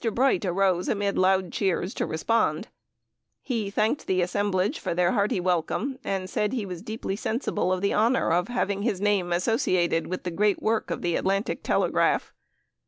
Bright rose, amid loud cheers, to respond. He thanked the assemblage for their hearty welcome, and said he was deeply sensible of the honor of having his name associated with the great work of the Atlantic Telegraph.